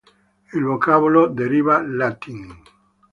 Il vocabolo deriva lat.